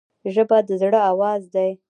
ژبه د زړه آواز دی